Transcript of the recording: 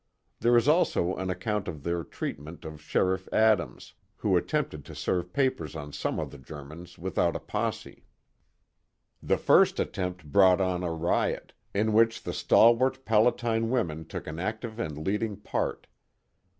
There is also an account of their treatment of Sheriff Adams, who at tempted to serve papers on some of the Germans without a posse. The first attempt brought on a riot, in which the stalwart Palatine women took an active and leading part.